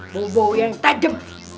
bau bau yang tajem